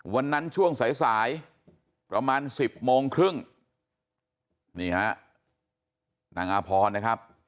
วันนั้นช่วงสายสายประมาณสิบโมงครึ่งนี่ฮะนางอาพรนะครับ